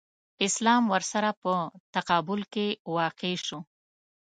اسلام ورسره په تقابل کې واقع شو.